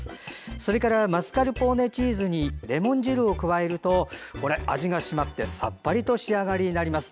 それからマスカルポーネチーズにレモン汁を加えると味が締まってさっぱりとした仕上がりになります。